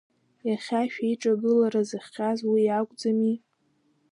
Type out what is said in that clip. Иахьа шәеиҿагылара зыхҟьаз уи акәӡами?